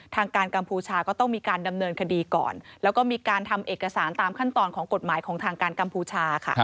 ทางการกัมพูชาก็ต้องมีการดำเนินคดีก่อนแล้วก็มีการทำเอกสารตามขั้นตอนของกฎหมายของทางการกัมพูชาค่ะ